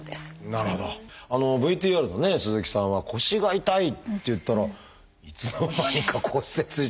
ＶＴＲのね鈴木さんは腰が痛いっていったらいつの間にか骨折していたって。